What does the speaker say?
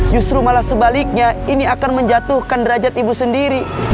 justru malah sebaliknya ini akan menjatuhkan derajat ibu sendiri